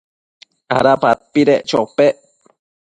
¿ada padpedec chopec?